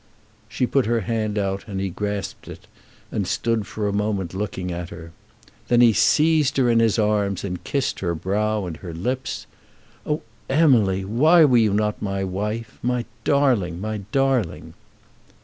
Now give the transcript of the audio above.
She put her hand out and he grasped it, and stood for a moment looking at her. Then he seized her in his arms and kissed her brow and her lips. "Oh, Emily, why were you not my wife? My darling, my darling!"